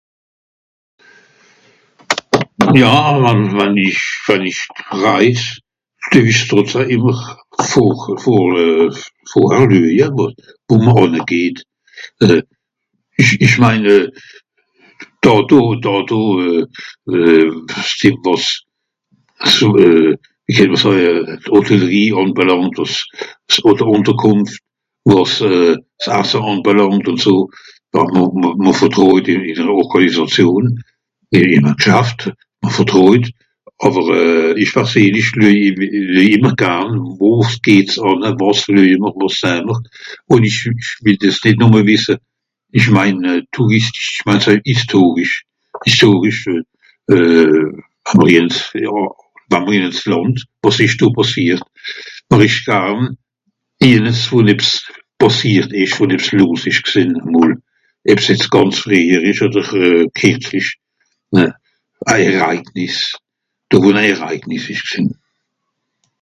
Ja, wann...wann ìsch... wann ìch reis geh-w-ìch (...) ìmmer vor...vorhar löje, wo mr ànne geht. Euh... ìch... ìch mein euh... dàtto, dàtto euh... euh... wàs... eso euh... wie kennt ma sàje euh... Hotellerie àngeblàngt, wàs s'Ùnterkùnft, wàs s'Asse ànbelàngt, m'r vertràjt ìn de Orgànisation, ì...ìm a Gschaft, ma vertràjt, àwer euh ìch perseenlich lüej ìmmer garn, wo s'geht ànna, wàs lüeje m'r, wàs sah mr ùn wìll dìs nìt nùmme wìsse. Ìch mein euh... Touristischi (...) historisch, historisch euh... euh... (...) wàs ìsch do pàssiert heer-ich garn.(...) pàssiert ìsch ùn ebbs los ìsch gsìnn emol, eb's gànz frìehjer ìsch odder kìrzlich, a Erreignis, do ìsch, wo a Erreignis ìsch gsìnn.